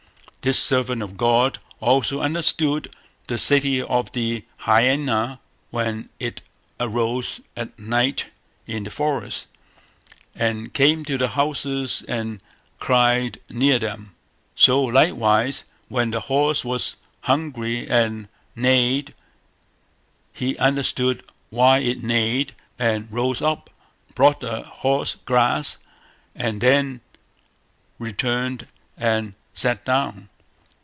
This servant of God also understood the cry of the hyaena when it arose at night in the forest, and came to the houses and cried near them; so, likewise, when his horse was hungry and neighed, he understood why it neighed, rose up, brought the horse grass, and then returned and sat down.